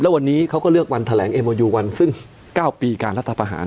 วันนี้เขาก็เลือกวันแถลงเอโมยูวันซึ่ง๙ปีการรัฐประหาร